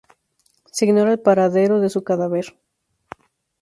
Se ignora el paradero de su cadáver.